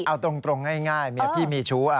เอาตรงง่ายเมียพี่มีชู้